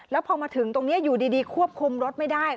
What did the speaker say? แล้วพอมาถึงตรงนี้อยู่ดีควบคุมรถไม่ได้